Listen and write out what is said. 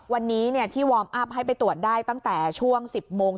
วันนี้ที่วอร์มอัพให้ไปตรวจได้ตั้งแต่ช่วง๑๐โมง